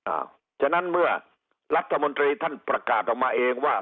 ฉะนั้นเมื่อรัฐมนตรีท่านประกาศออกมาเองว่า